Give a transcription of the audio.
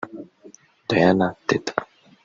Diana Teta